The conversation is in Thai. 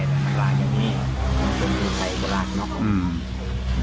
ตั้งแต่แหละนี่